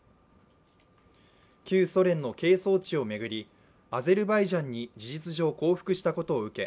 旧ソ連の係争地を巡り、アゼルバイジャンに事実上、降伏したことを受け